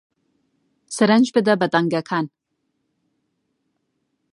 سرنج بدە بە دەنگەکان